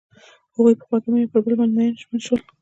هغوی په خوږ مینه کې پر بل باندې ژمن شول.